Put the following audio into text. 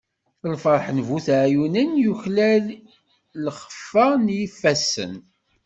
Lferḥ n bu teɛyunin, yuklal lxeffa n yifassen.